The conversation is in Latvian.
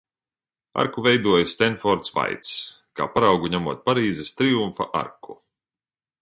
Arku veidoja Stenfords Vaits, kā paraugu ņemot Parīzes Triumfa arku.